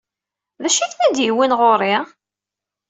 D acu ay ten-id-yewwin ɣer-i?